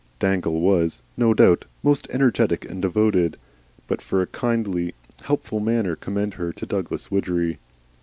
Dangle was, no doubt, most energetic and devoted; but for a kindly, helpful manner commend her to Douglas Widgery.